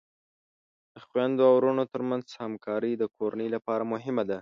د خویندو او ورونو ترمنځ همکاری د کورنۍ لپاره مهمه ده.